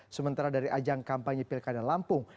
sementara dari ajang kampanye pilkada lampung